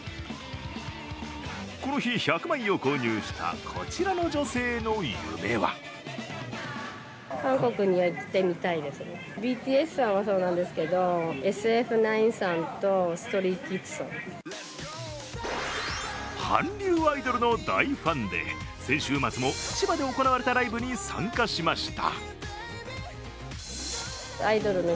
この日、１００枚を購入した、こちらの女性の夢は韓流アイドルの大ファンで先週末も千葉で行われたライブに参加しました。